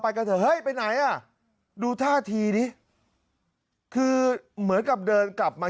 กันเถอะเฮ้ยไปไหนอ่ะดูท่าทีดิคือเหมือนกับเดินกลับมา